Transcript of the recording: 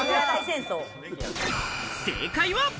正解は。